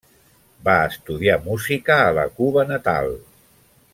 Va estudiar música a la Cuba natal.